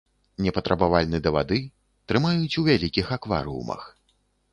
Непатрабавальны да вады, трымаюць у вялікіх акварыумах.